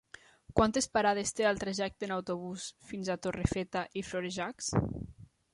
Quantes parades té el trajecte en autobús fins a Torrefeta i Florejacs?